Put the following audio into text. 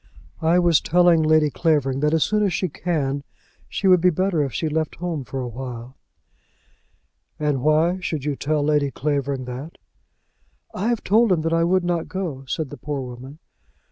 "I was telling Lady Clavering that as soon as she can, she would be better if she left home for awhile." "And why should you tell Lady Clavering that?" "I have told him that I would not go," said the poor woman.